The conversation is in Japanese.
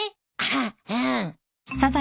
ああ。